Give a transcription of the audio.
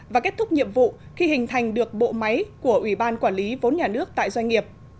và kết thúc nhiệm vụ khi hình thành được bộ máy của ủy ban quản lý vốn nhà nước tại doanh nghiệp